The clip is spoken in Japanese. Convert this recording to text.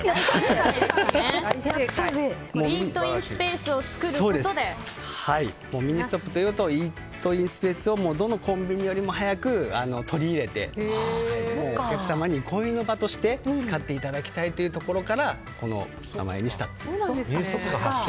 イートインスペースをミニストップというとイートインスペースをどのコンビニよりも早く取り入れてお客様に憩いの場として使っていただきたいというところからこの名前にしたと。